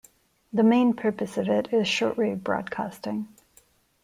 The main purpose of it is shortwave broadcasting.